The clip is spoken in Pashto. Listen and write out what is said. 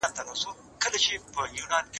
ستاسو په ژوند کي به د بریا نوې لاري وي.